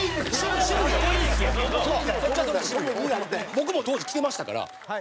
僕も当時着てましたから。